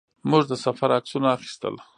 موږ د سفر عکسونه اخیستل.